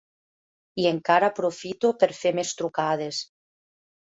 I encara aprofito per fer més trucades.